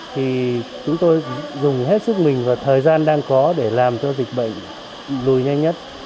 thì chúng tôi dùng hết sức mình và thời gian đang có để làm cho dịch bệnh lùi nhanh nhất